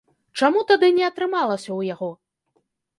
Чаму тады не атрымалася ў яго?